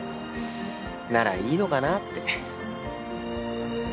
ならいいのかなって。